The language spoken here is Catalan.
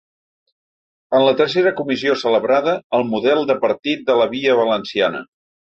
En la tercera comissió celebrada, El model de partit de la via valenciana.